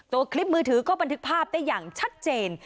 ตัวคลิปมือถือก็บันทึกภาพได้อย่างชัดเจน